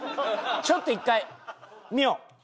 ちょっと１回見よう。